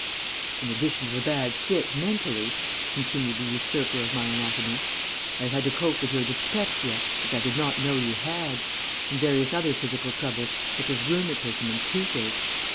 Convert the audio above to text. "'In addition to the bad fit mentally,' continued the usurper of my anatomy, 'I have had to cope with your dyspepsia, which I did not know you had, and various other physical troubles such as rheumatism and toothache.